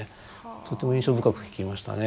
とっても印象深く聞きましたね。